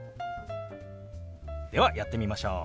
ではやってみましょう！